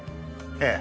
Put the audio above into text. ええ。